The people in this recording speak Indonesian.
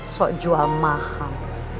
sok jual mahal